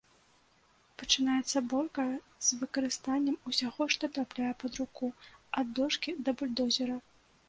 Пачынаецца бойка з выкарыстаннем усяго, што трапляе пад руку, ад дошкі да бульдозера.